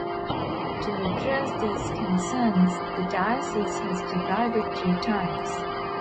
To address these concerns, the diocese has divided three times.